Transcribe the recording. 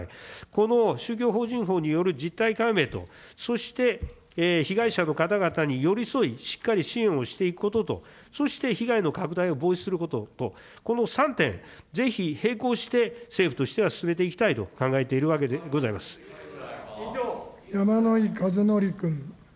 この宗教法人法による実態解明と、そして被害者の方々に寄り添い、しっかり支援をしていくことと、そして被害の拡大を防止することと、この３点、ぜひ並行して政府としては進めていきたいと考えているところでご山井和則君。